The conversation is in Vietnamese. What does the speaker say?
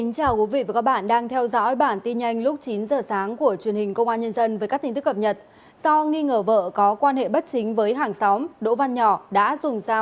cảm ơn các bạn đã theo dõi